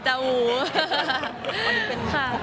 ได้ดูวันไปไหม